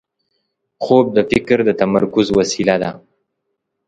خوب د فکر د تمرکز وسیله ده